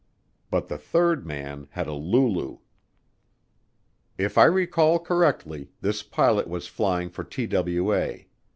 But the third man had a lulu. If I recall correctly, this pilot was flying for TWA.